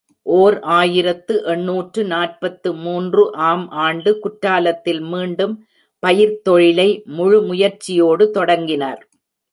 ஓர் ஆயிரத்து எண்ணூற்று நாற்பத்து மூன்று ஆம் ஆண்டு குற்றாலத்தில் மீண்டும் பயிர்த் தொழிலை முழுமுயற்சியோடு தொடங்கினார்.